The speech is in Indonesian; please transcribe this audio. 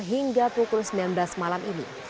hingga pukul sembilan belas malam ini